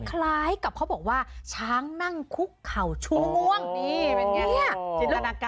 คล้ายกับเขาบอกว่าช้างนั่งคุกเข่าชูง่วง